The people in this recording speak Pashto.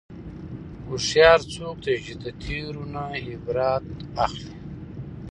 هوښیار څوک دی چې د تېرو نه عبرت اخلي.